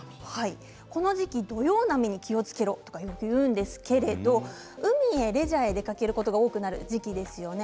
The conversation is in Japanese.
この時期、土用波に気をつけろとよく言うんですけれど海やレジャーに出かけることが多くなる時期ですよね。